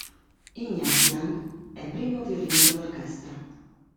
Ignace Jang è primo violino dell'orchestra.